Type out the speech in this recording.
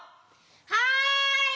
はい！